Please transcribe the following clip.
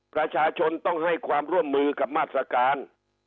ประชาชนต้องให้ความร่วมมือกับมาตรการ